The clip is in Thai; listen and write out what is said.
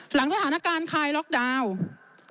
หลังสถานการณ์คลายล็อกดาวน์